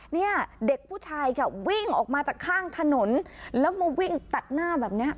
เนี่ยเด็กผู้ชายค่ะวิ่งออกมาจากข้างถนนแล้วมาวิ่งตัดหน้าแบบเนี้ย